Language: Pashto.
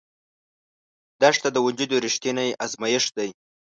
دښته د وجود رښتینی ازمېښت دی.